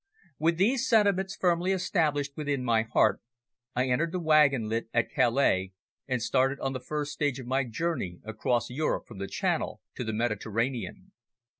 With these sentiments firmly established within my heart I entered the wagon lit at Calais, and started on the first stage of my journey across Europe from the Channel to the Mediterranean.